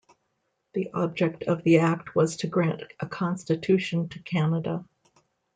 The object of the Act was to grant a Constitution to Canada.